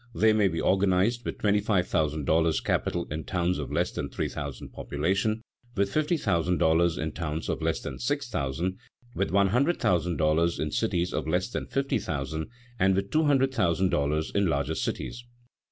They may be organized with twenty five thousand dollars capital in towns of less than three thousand population, with fifty thousand dollars in towns of less than six thousand, with one hundred thousand dollars in cities of less than fifty thousand, and with two hundred thousand dollars in larger cities.